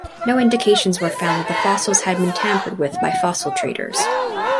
No indications were found that the fossils had been tampered with by fossil traders.